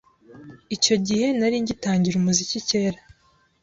Icyo gihe nari ngitangira umuziki kera